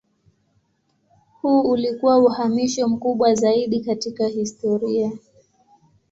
Huu ulikuwa uhamisho mkubwa zaidi katika historia.